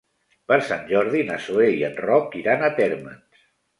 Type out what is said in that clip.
Per Sant Jordi na Zoè i en Roc iran a Térmens.